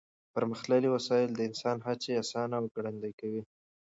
پرمختللې وسایل د انسان هڅې اسانه او ګړندۍ کوي.